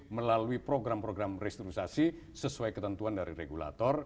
melalui program program restruisasi sesuai ketentuan dari regulator